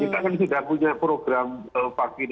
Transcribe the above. kita kan sudah punya program vaksinasi